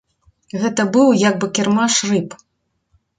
Гэта быў як бы кірмаш рыб.